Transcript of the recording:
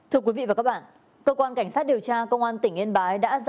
hãy đăng ký kênh để nhận thông tin nhất